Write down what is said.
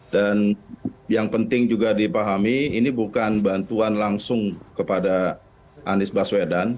yang penting juga dipahami ini bukan bantuan langsung kepada anies baswedan